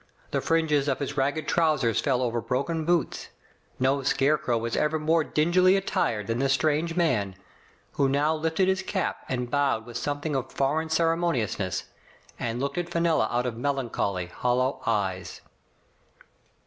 The fringes of his ragged trousers fell over broken boots. No scarecrow was ever more dingily attired than this strange man, who now lifted his cap and bowed with something of foreign ceremonious ness, and looked at Fenella out of melancholy, hollow eyes.